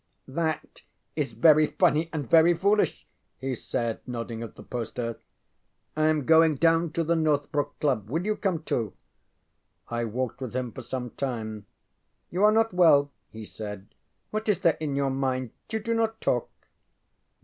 ŌĆ£That is very funny and very foolish, ŌĆØ he said, nodding at the poster. ŌĆ£I am going down to the Northbrook Club. Will you come too? ŌĆØ I walked with him for some time. ŌĆ£You are not well, ŌĆØ he said. ŌĆ£What is there in your mind? You do not talk.